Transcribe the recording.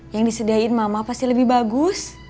yang disediain mama pasti lebih bagus